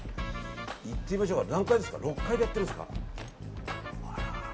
行ってみましょうか６階でやってるんですか。